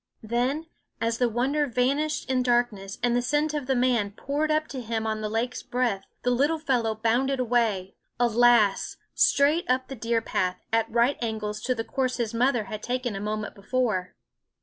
Then, as the wonder vanished in darkness and the scent of the man poured up to him on the lake's breath, the little fellow bounded away alas! straight up the deer path, at right angles to the course his mother had taken a moment before.